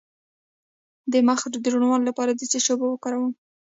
د مخ د روڼوالي لپاره د څه شي اوبه وکاروم؟